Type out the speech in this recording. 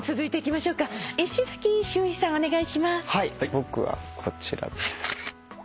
僕はこちらです。